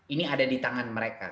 ini ada di tangan mereka